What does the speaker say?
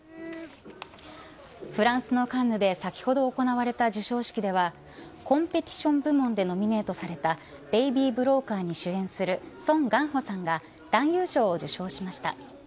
フランスのカンヌで先ほど行われた授賞式ではコンペティション部門でノミネートされたベイビー・ブローカーに主演するソン・ガンホさんが男優賞を受賞しました。